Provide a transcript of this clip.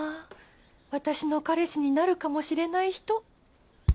私の彼氏になるかもしれない人